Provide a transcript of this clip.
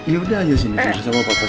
ya udah ayo sini tidur sama bapak